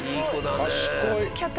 賢い！